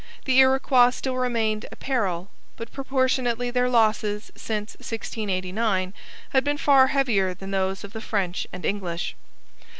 The Iroquois still remained a peril, but proportionately their losses since 1689 had been far heavier than those of the French and English.